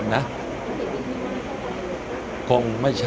กรงไม่ใช่ครับไม่ใช่